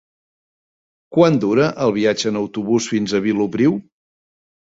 Quant dura el viatge en autobús fins a Vilopriu?